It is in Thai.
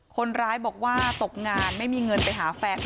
คนร้ายบอกว่าตกงานไม่มีเงินไปหาแฟน